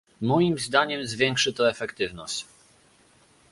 Moim zdaniem zwiększy to efektywność